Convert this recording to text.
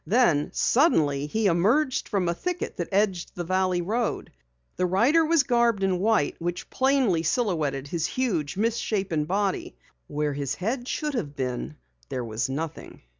Then suddenly he emerged from a thicket that edged the valley road. The rider was garbed in white which plainly silhouetted his huge, misshapen body. Where his head should have been there was nothing.